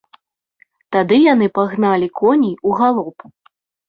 Тады яны пагналі коней у галоп.